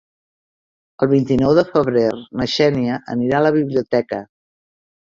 El vint-i-nou de febrer na Xènia anirà a la biblioteca.